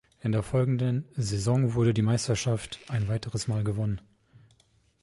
In der folgenden Saison wurde die Meisterschaft ein weiteres Mal gewonnen.